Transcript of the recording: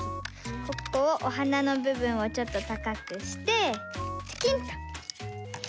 ここをおはなのぶぶんをちょっとたかくしてちょきんと！